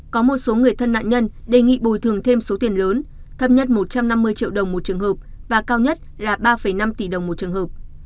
có một số người thân nạn nhân đề nghị bồi thường thêm số tiền lớn thấp nhất một trăm năm mươi triệu đồng một trường hợp và cao nhất là ba năm tỷ đồng một trường hợp